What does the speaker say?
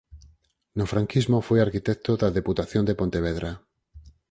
No franquismo foi arquitecto da Deputación de Pontevedra.